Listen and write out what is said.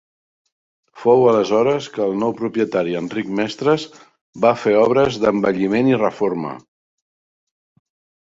Fou aleshores que el nou propietari, Enric Mestres, va fer obres d'embelliment i reforma.